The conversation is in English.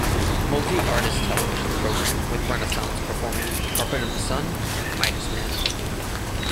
Multi-artist television programme with Renaissance performing "Carpet of the Sun" and "Midas Man.